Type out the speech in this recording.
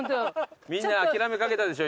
みんな諦めかけたでしょ